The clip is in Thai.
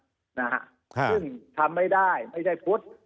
ซึ่งทำไม่ได้ไม่ใช่พุทธ